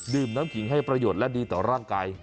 น้ำขิงให้ประโยชน์และดีต่อร่างกาย